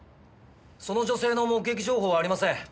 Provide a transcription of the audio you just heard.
その女性の目撃情報はありません。